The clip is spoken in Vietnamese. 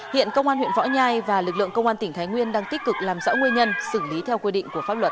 hiện công an huyện võ nhai và lực lượng công an tỉnh thái nguyên đang tích cực làm rõ nguyên nhân xử lý theo quy định của pháp luật